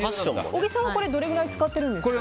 小木さんはどれぐらい使ってるんですか？